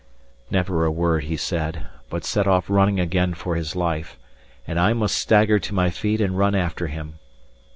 Never a word he said, but set off running again for his life, and I must stagger to my feet and run after him.